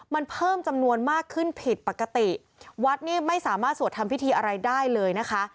มันเพิ่มจำนวนมากขึ้นผิดปกติวัดนี่ไม่สามารถสวดทำพิธีอะไรได้เลยนะคะ